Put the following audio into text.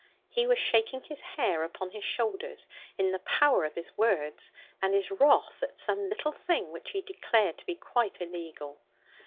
He was shaking his hair upon his shoulders, in the power of his words, and his wrath at some little thing, which he declared to be quite illegal.